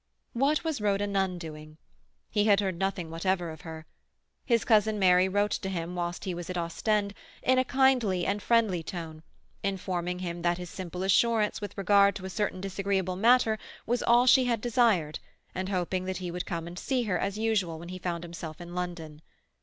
What was Rhoda Nunn doing? He had heard nothing whatever of her. His cousin Mary wrote to him, whilst he was at Ostend, in a kind and friendly tone, informing him that his simple assurance with regard to a certain disagreeable matter was all she had desired, and hoping that he would come and see her as usual when he found himself in London.